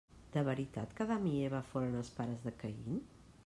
De veritat que Adam i Eva foren els pares de Caín?